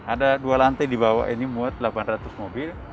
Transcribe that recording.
ada dua lantai di bawah ini muat delapan ratus mobil